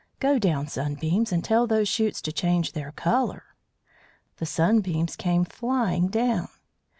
Go down, Sunbeams, and tell those shoots to change their colour." The Sunbeams came flying down.